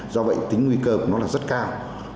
do vậy tính nguy cơ của nó là rất cao